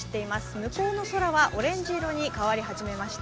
向こうの空はオレンジ色に変わり始めました。